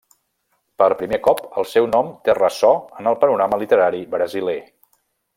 Per primer cop el seu nom té ressò en el panorama literari brasiler.